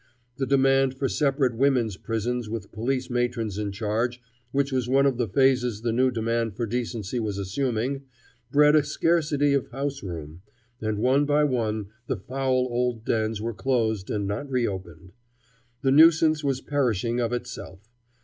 The demand for separate women's prisons with police matrons in charge, which was one of the phases the new demand for decency was assuming, bred a scarcity of house room, and one by one the foul old dens were closed and not reopened. The nuisance was perishing of itself.